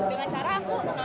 dengan cara aku nonton